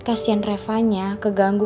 kasian reva nya keganggu